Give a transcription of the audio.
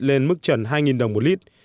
lên mức trần hai đồng một lit